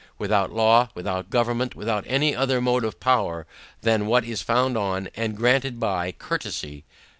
Without law, without government, without any other mode of power than what is founded on, and granted by courtesy.